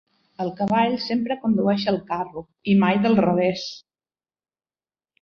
El cavall sempre condueix el carro i mai del revés.